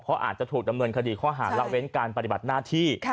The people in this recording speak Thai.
เพราะอาจจะถูกดำเนินคดีข้อหาละเว้นการปฏิบัติหน้าที่